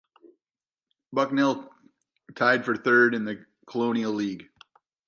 Bucknell tied for third in the Colonial League.